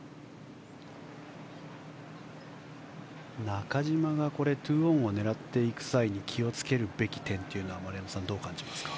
中島が２オンを狙っていく際に気を付けるべき点は丸山さん、どう感じますか。